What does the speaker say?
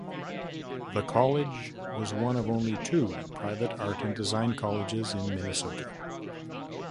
The College was one of only two private art and design colleges in Minnesota.